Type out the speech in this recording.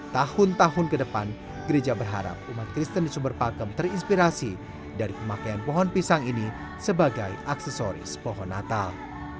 tahun tahun ke depan gereja berharap umat kristen di sumber pakem terinspirasi dari pemakaian pohon pisang ini sebagai aksesoris pohon natal